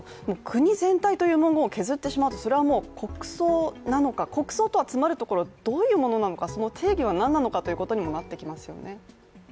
国全体という文言を削ってしまうと、それはもう国葬なのか、国葬とはつまるところ、どういうものなのか、その定義はなんなのかということにもなってきますよね。